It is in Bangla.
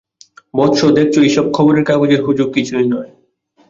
বৎস, দেখছ এইসব খবরের কাগজের হুজুগ কিছুই নয়।